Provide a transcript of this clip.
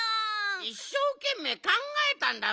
いっしょうけんめいかんがえたんだろ！？